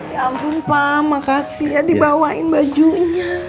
ya ampun pak makasih ya dibawain bajunya